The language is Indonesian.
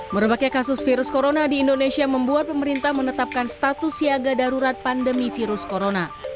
merebaknya kasus virus corona di indonesia membuat pemerintah menetapkan status siaga darurat pandemi virus corona